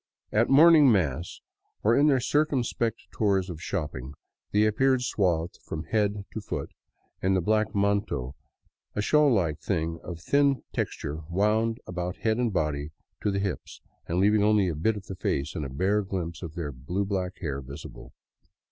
At morning mass, or in their circumspect tours of shopping, they appear swathed from head to foot in the black manto, a shawl like thing of thin texture wound about head and body to the hips and leaving only a bit of the face and a bare glimpse of their blue black hair visible.